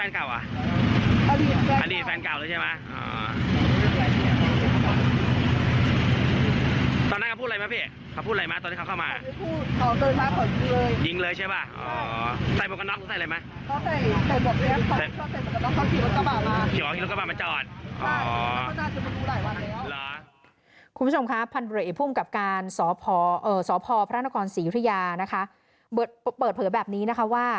คุณผู้ชมครับพันธุระเอียดภูมิกับการสพพระนครศรีอยุธยาเปิดเผลอแบบนี้นะคะว่า